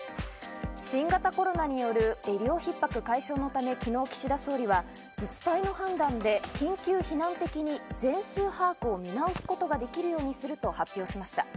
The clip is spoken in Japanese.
新型コロナによる医療ひっ迫解消のため昨日、岸田総理は自治体の判断で緊急避難的に全数把握を見直すことができるようにすると発表しました。